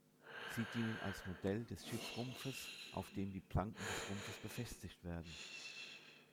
Sie dienen als Modell des Schiffsrumpfes, auf dem die Planken des Rumpfes befestigt werden.